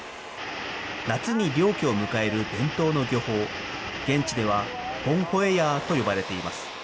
夏に漁期を迎える伝統の漁法、現地ではボンホエヤーと呼ばれています。